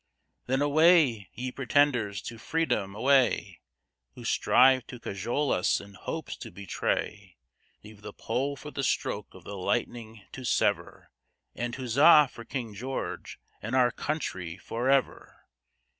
Then away, ye pretenders to freedom, away, Who strive to cajole us in hopes to betray; Leave the pole for the stroke of the lightning to sever, And, huzzah for King George and our country forever!